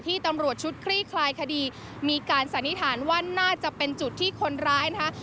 ตำรวจชุดคลี่คลายคดีมีการสันนิษฐานว่าน่าจะเป็นจุดที่คนร้ายนะคะ